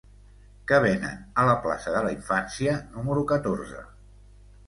Què venen a la plaça de la Infància número catorze?